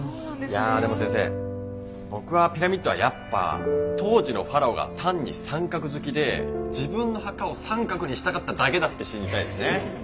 いやでも先生僕はピラミッドはやっぱ当時のファラオが単に三角好きで自分の墓を三角にしたかっただけだって信じたいですね。